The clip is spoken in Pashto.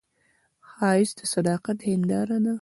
ښایست د صداقت هنداره ده